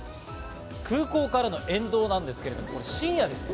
空港からの沿道なんですけれども、深夜です。